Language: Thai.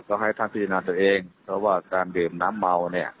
ก็ให้ท่านพิจารณาตัวเองเพราะว่าการดื่มน้ำเมาเนี่ย